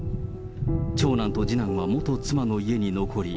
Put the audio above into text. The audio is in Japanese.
長男と次男は元妻の家に残り、